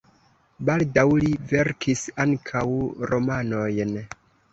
Baldaŭ li verkis ankaŭ romanojn.